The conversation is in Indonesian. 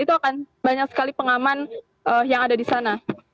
itu akan banyak sekali pengaman yang ada di sana